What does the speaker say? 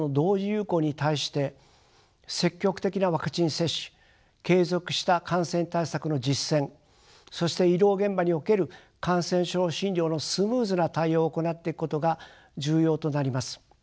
流行に対して積極的なワクチン接種継続した感染対策の実践そして医療現場における感染症診療のスムーズな対応を行っていくことが重要となります。